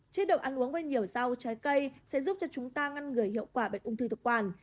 chế độ ăn uống với nhiều rau trái cây sẽ giúp cho chúng ta ngăn ngừa hiệu quả bệnh ung thư quản